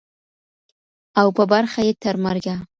او په برخه یې ترمرګه